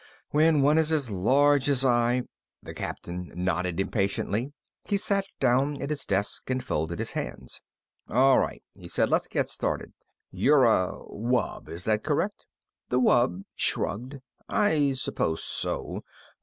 When one is as large as I " The Captain nodded impatiently. He sat down at his desk and folded his hands. "All right," he said. "Let's get started. You're a wub? Is that correct?" The wub shrugged. "I suppose so.